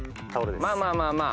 まあまあまあまあ